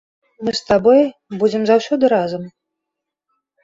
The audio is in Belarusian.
Мы з табой будзем заўсёды разам.